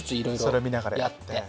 それを見ながらやって。